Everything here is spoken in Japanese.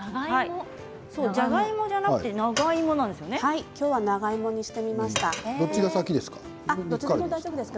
じゃがいもじゃなくて長芋なんですね。